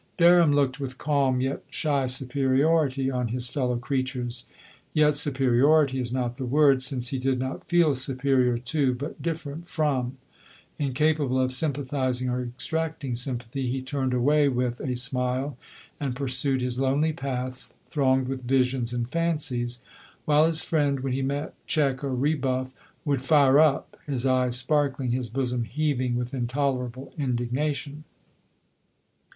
Derham looked with calm yet shy superiority on his fellow creatures. Yet superiority is not the word, 84 LODORE. since he did not feel himself superior to, but different from — incapable of sympathizing or extracting sympathy, he turned away with a smile, and pursued his lonely path, thronged with visions and fancies — while his friend, when he met check or rebuff, would fire up, his eyes sparkling, his bosom heaving with intolerable indignation.